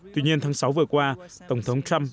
tuy nhiên tháng sáu vừa qua tổng thống trump